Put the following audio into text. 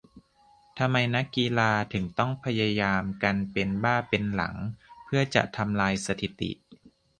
ทำไมนักกีฬาถึงต้องพยายามกันเป็นบ้าเป็นหลังเพื่อจะทำลายสถิติ ?